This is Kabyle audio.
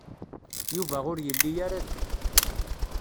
Yuba ur yelli ara din.